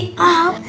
aduh aduh aduh